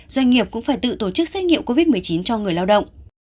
doanh nghiệp cũng phải tự tổ chức xét nghiệm covid một mươi chín cho người lao động